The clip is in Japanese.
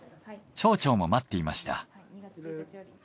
町長も待っていました。